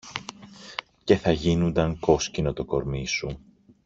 και θα γίνουνταν κόσκινο το κορμί σου